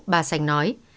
bà sành nói